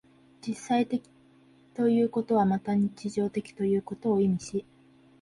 実際的ということはまた日常的ということを意味し、